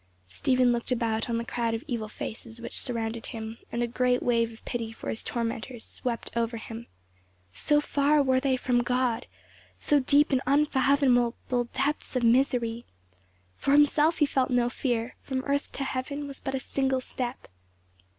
Stephen looked about on the crowd of evil faces which surrounded him, and a great wave of pity for his tormentors swept over him. So far were they from God, so deep in unfathomable depths of misery. For himself he felt no fear; from earth to heaven was but a single step.